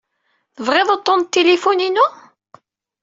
Tebɣiḍ uṭṭun n tilifun-inu?